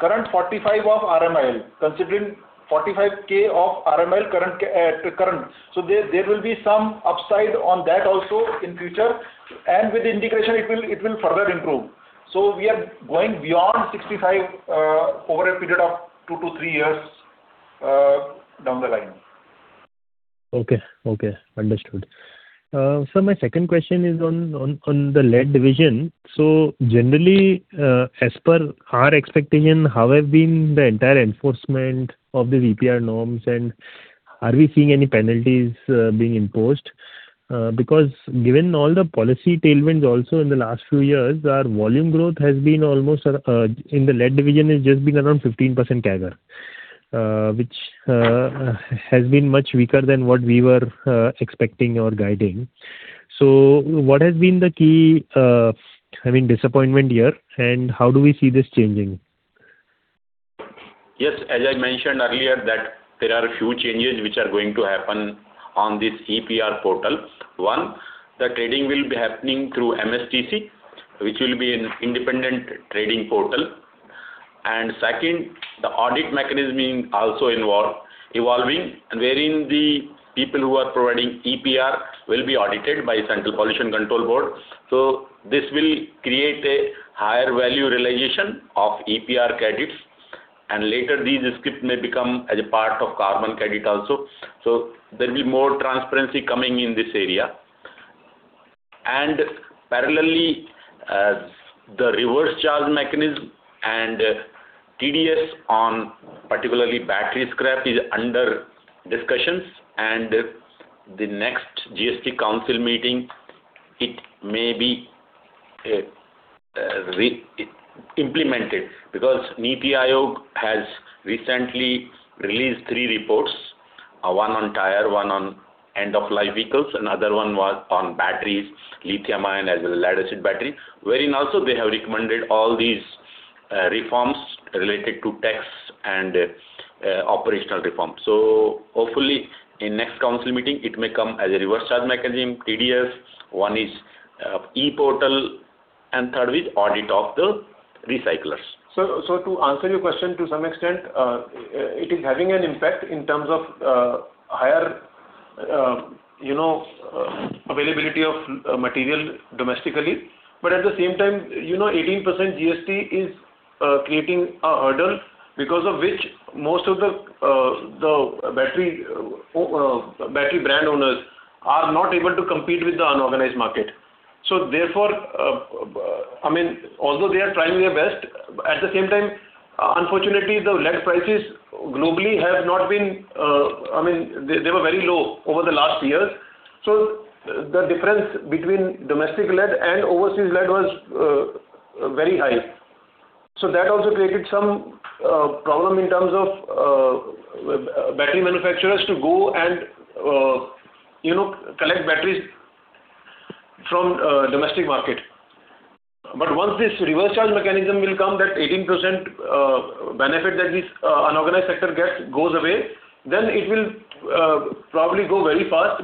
current 45 of RMIL, considering 45k of RMIL current. There will be some upside on that also in future, and with integration it will further improve. We are going beyond 65, over a period of two to three years, down the line. Okay. Okay. Understood. Sir, my second question is on the lead division. Generally, as per our expectation, how have been the entire enforcement of the EPR norms, and are we seeing any penalties being imposed? Because given all the policy tailwinds also in the last few years, our volume growth has been almost in the lead division has just been around 15% CAGR, which has been much weaker than what we were expecting or guiding. What has been the key, I mean, disappointment here, and how do we see this changing? Yes, as I mentioned earlier, that there are a few changes which are going to happen on this EPR portal. One, the trading will be happening through MSTC, which will be an independent trading portal. Second, the audit mechanism being also evolving, wherein the people who are providing EPR will be audited by Central Pollution Control Board. This will create a higher value realization of EPR credits, and later these scrips may become as a part of carbon credit also. There will be more transparency coming in this area. Parallelly, the reverse charge mechanism and TDS on particularly battery scrap is under discussions. The next GST Council meeting it may be implemented because NITI Aayog has recently released three reports, one on tire, one on end-of-life vehicles, another one was on batteries, lithium-ion as well as lead-acid battery, wherein also they have recommended all these reforms related to tax and operational reforms. Hopefully in next council meeting it may come as a reverse charge mechanism, TDS, one is e-portal, and third is audit of the recyclers. To answer your question, to some extent, it is having an impact in terms of higher, you know, availability of material domestically. At the same time, you know, 18% GST is creating a hurdle because of which most of the battery brand owners are not able to compete with the unorganized market. Therefore, I mean, although they are trying their best, at the same time, unfortunately the lead prices globally have not been, I mean, they were very low over the last years, so the difference between domestic lead and overseas lead was very high. That also created some problem in terms of battery manufacturers to go and, you know, collect batteries from domestic market. Once this reverse charge mechanism will come, that 18% benefit that this unorganized sector gets goes away, then it will probably go very fast.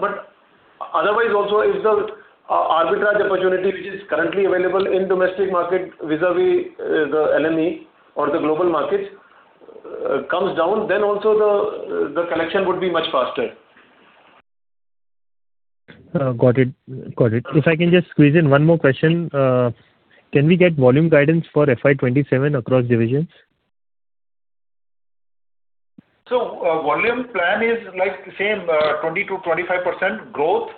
Otherwise also if the arbitrage opportunity which is currently available in domestic market vis-a-vis the LME or the global markets, comes down, then also the collection would be much faster. Got it. If I can just squeeze in one more question. Can we get volume guidance for FY 2027 across divisions? Volume plan is like same, 20%-25% growth,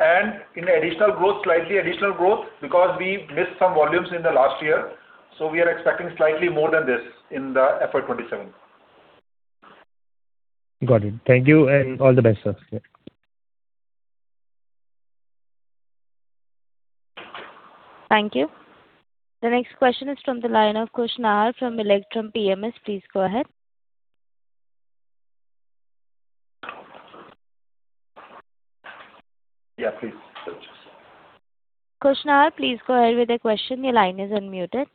and in additional growth, slightly additional growth because we've missed some volumes in the last year, so we are expecting slightly more than this in the FY 2027. Got it. Thank you and all the best, sir. Thank you. The next question is from the line of Khush Nahar from Electrum PMS. Please go ahead. Yeah, please. Khush Nahar, please go ahead with your question. Your line is unmuted.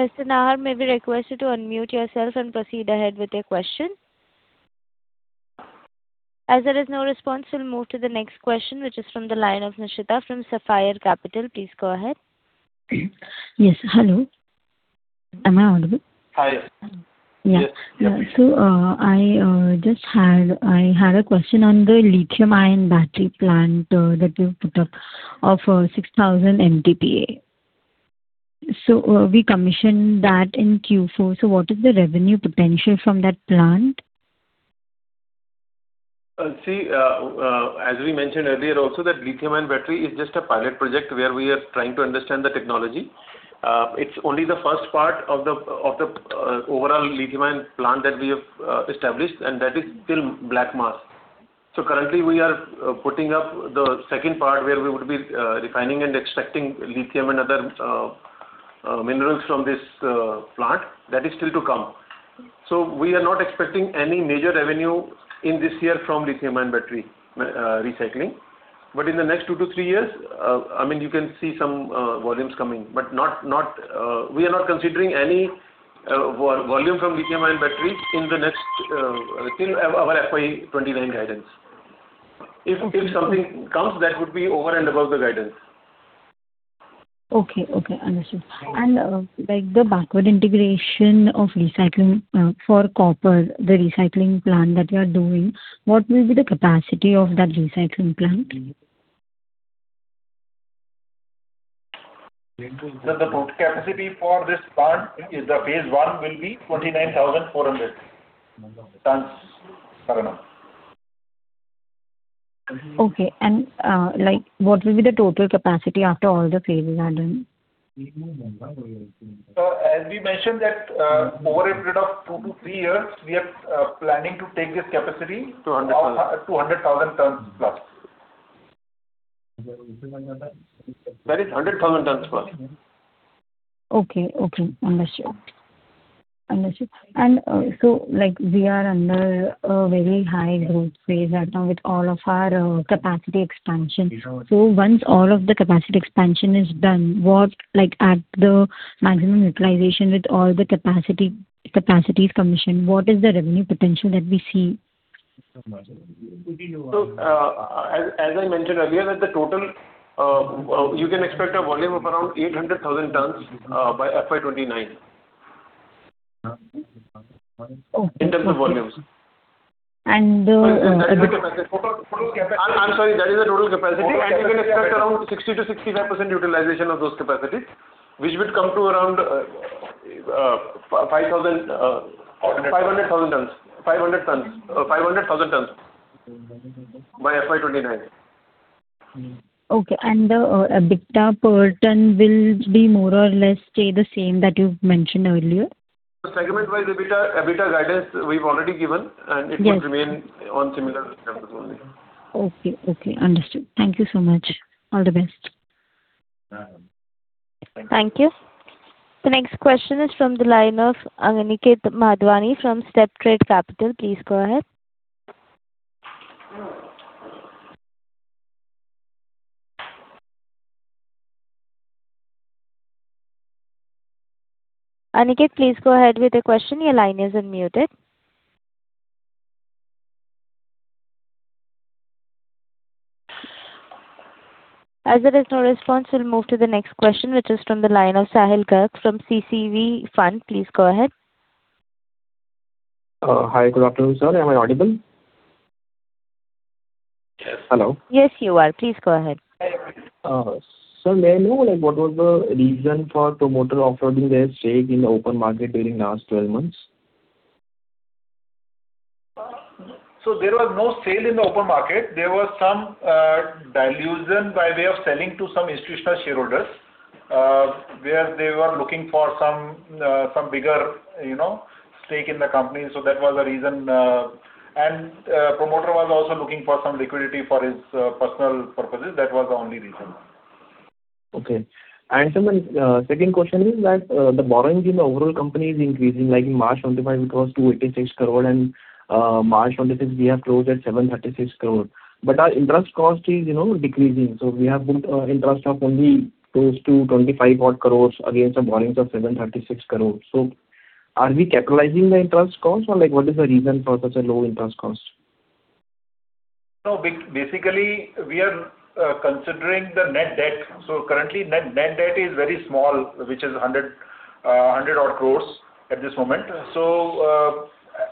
Mr. Nahar, may be requested to unmute yourself and proceed ahead with your question. As there is no response, we'll move to the next question, which is from the line of Nishita from Sapphire Capital. Please go ahead. Yes. Hello. Am I audible? Hi. Yes. Yeah. Yeah. Yeah, please. I had a question on the lithium-ion battery plant, that you've put up of, 6,000 MTPA. We commissioned that in Q4, so what is the revenue potential from that plant? As we mentioned earlier also that lithium-ion battery is just a pilot project where we are trying to understand the technology. It's only the first part of the overall lithium-ion plant that we have established, and that is still black mass. Currently we are putting up the second part where we would be refining and extracting lithium and other minerals from this plant. That is still to come. We are not expecting any major revenue in this year from lithium-ion battery recycling. In the next two to three years, I mean, you can see some volumes coming, but we are not considering any volume from lithium-ion battery in the next till our FY 2029 guidance. If something comes, that would be over and above the guidance. Okay. Okay. Understood. Like the backward integration of recycling for copper, the recycling plant that you're doing, what will be the capacity of that recycling plant? The total capacity for this plant is the Phase I will be 29,400 tons per annum. Okay. like, what will be the total capacity after all the phases are done? As we mentioned that, over a period of two to three years, we are planning to take this capacity. 200,000. To 100,000 tons plus. That is 100,000 tons plus. Okay. Okay. Understood. Understood. Like we are under a very high growth phase right now with all of our capacity expansion. Once all of the capacity expansion is done, what, like at the maximum utilization with all the capacities commissioned, what is the revenue potential that we see? As I mentioned earlier that the total, you can expect a volume of around 800,000 tons by FY 2029. Okay. In terms of volumes. And, uh- That is the capacity. Total capacity. I am sorry, that is the total capacity and you can expect around 60%-65% utilization of those capacities which would come to around 500,000 tons by FY 2029. Okay. EBITDA per ton will be more or less stay the same that you've mentioned earlier? segment wide EBITDA guidance we've already given. Yes. Will remain on similar terms only. Okay. Okay. Understood. Thank you so much. All the best. Thank you. Thank you. The next question is from the line of Aniket Madhvani from StepTrade Capital. Please go ahead. Aniket, please go ahead with your question. Your line is unmuted. As there is no response, we'll move to the next question, which is from the line of Sahil Kirk from CCV Fund. Please go ahead. Hi. Good afternoon, sir. Am I audible? Yes. Hello. Yes, you are. Please go ahead. Sir, may I know like what was the reason for promoter offloading their stake in the open market during last 12 months? There was no sale in the open market. There was some dilution by way of selling to some institutional shareholders, where they were looking for some bigger, you know, stake in the company. That was the reason. Promoter was also looking for some liquidity for his personal purposes. That was the only reason. Sir, my second question is that the borrowings in the overall company is increasing. In March 2025 it was 286 crore, and March 2026 we have closed at 736 crore. Our interest cost is, you know, decreasing. We have booked interest of only close to 25 odd crores against the borrowings of 736 crore. Are we capitalizing the interest cost or, like, what is the reason for such a low interest cost? No, basically, we are considering the net debt. Currently net debt is very small, which is 100 odd crores at this moment.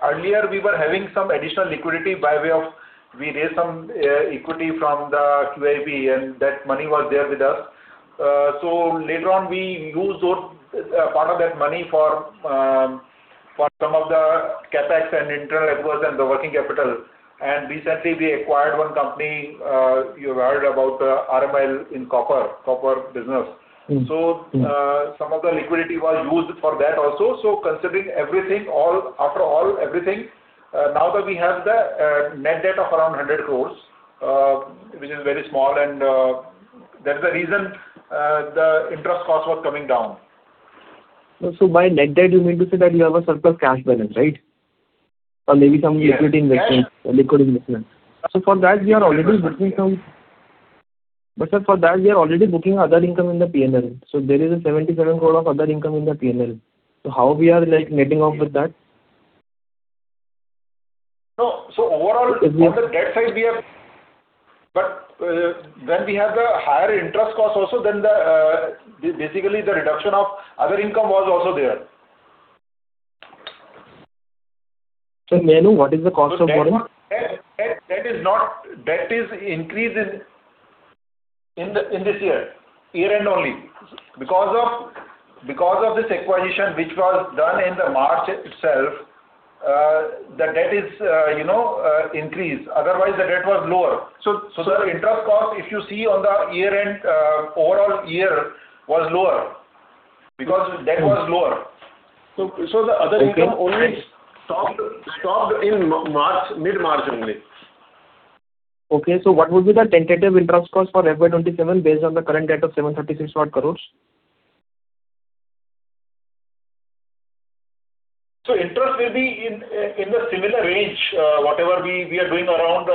Earlier we were having some additional liquidity by way of we raised some equity from the QIB, and that money was there with us. Later on we used those part of that money for some of the CapEx and internal acquisitions and the working capital. Recently we acquired one company, you've heard about RMIL in copper business. Some of the liquidity was used for that also. Considering everything, after all, everything, now that we have the net debt of around 100 crores, which is very small and that's the reason, the interest cost was coming down. By net debt you mean to say that you have a surplus cash balance, right? Or maybe some liquidity investment? Yeah. -or liquid investment. Sir, for that we are already booking other income in the P&L. There is a 77 crore of other income in the P&L. How we are, like, netting off with that? No. Is the- On the debt side we have, when we have the higher interest cost also, then the, basically the reduction of other income was also there. Sir Mayur, what is the cost of borrowing? Debt is increased in this year-end only. Because of this acquisition which was done in the March itself, the debt is, you know, increased. Otherwise the debt was lower. The interest cost, if you see on the year-end, overall year was lower because debt was lower. The other income. Okay. only stopped in March, mid-March only. Okay. What would be the tentative interest cost for FY 2027 based on the current debt of 736 odd crores? Interest will be in the similar range, whatever we are doing around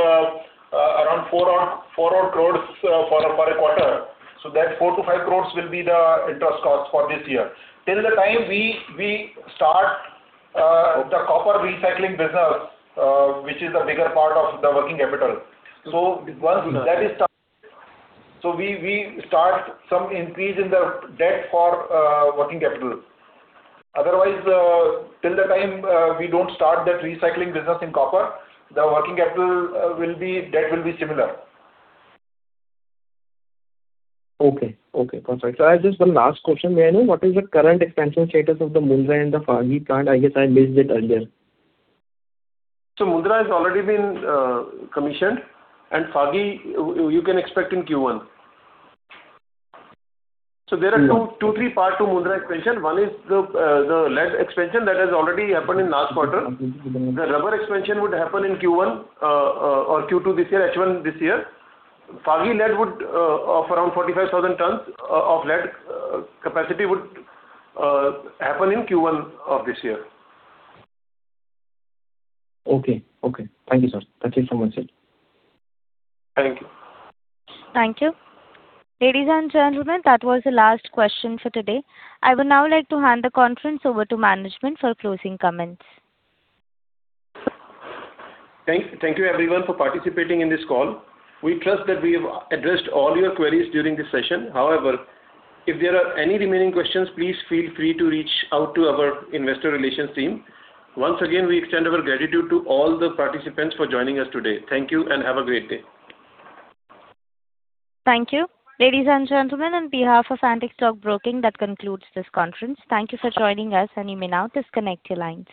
4 odd crores for a quarter. That 4-5 crores will be the interest cost for this year. Till the time we start. Okay. the copper recycling business, which is the bigger part of the working capital. Okay. Once that is started, we start some increase in the debt for working capital. Otherwise, till the time, we don't start that recycling business in copper, the working capital debt will be similar. Okay. Okay. Got you. I just have one last question, Mayur. What is the current expansion status of the Mundra and the Phagi plant? I guess I missed it earlier. Mundra has already been commissioned, and Phagi, you can expect in Q1. Yeah. There are two, three part to Mundra expansion. One is the lead expansion that has already happened in last quarter. Okay. The rubber expansion would happen in Q1 or Q2 this year, actually this year. Phagi lead would of around 45,000 tons of lead capacity would happen in Q1 of this year. Okay. Okay. Thank you, sir. That is it from my side. Thank you. Thank you. Ladies and gentlemen, that was the last question for today. I would now like to hand the conference over to management for closing comments. Thank you everyone for participating in this call. We trust that we have addressed all your queries during this session. If there are any remaining questions, please feel free to reach out to our investor relations team. Once again, we extend our gratitude to all the participants for joining us today. Thank you, and have a great day. Thank you. Ladies and gentlemen, on behalf of Antique Stock Broking, that concludes this conference. Thank you for joining us, and you may now disconnect your lines.